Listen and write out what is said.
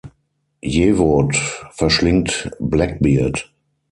Yevaud verschlingt Blackbeard.